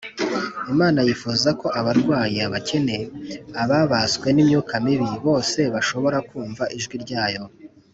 imana yifuza ko abarwayi, abakene, ababaswe n’imyuka mibi, bose bashobora kumva ijwi ryayo